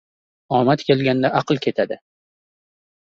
• Omad kelganda aql ketadi.